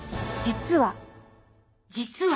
実は。